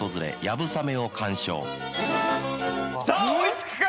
さあ追いつくか？